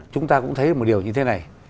chúng ta cũng thấy một điều như thế này